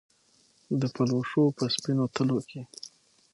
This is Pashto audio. د پلوشو په سپینو تلو کې